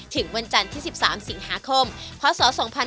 ถึงวันจันทร์ที่๑๓สิงหาคมพศ๒๕๖๒